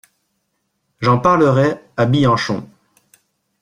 J'en parlerai à Bianchon.